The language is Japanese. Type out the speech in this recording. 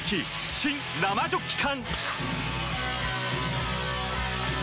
新・生ジョッキ缶！